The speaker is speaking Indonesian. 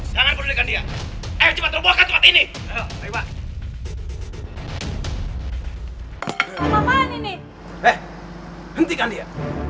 jangan pedulikan dia